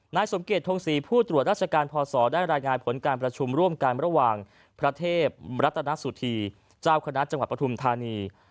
นายสมเกตทงศรีผู้ตรวจราชการพศได้รายงานผลการประชุมร่วมกันระหว่างพระเทพรัตนสุธีเจ้าคณะจังหวัดปฐุมธานี